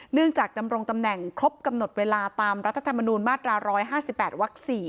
จากดำรงตำแหน่งครบกำหนดเวลาตามรัฐธรรมนูญมาตรา๑๕๘วัก๔